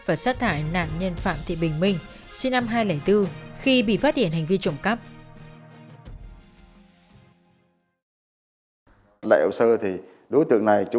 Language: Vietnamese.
và sát hại nạn nhân phạm thị bình minh